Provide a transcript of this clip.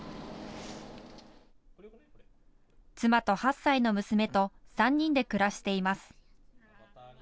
妻と８歳の娘と３人で暮らしています。